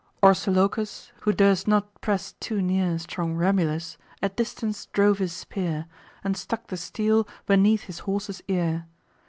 Orsilochus, who durst not press too near Strong Remulus, at distance drove his spear, And stuck the steel beneath his horse's ear.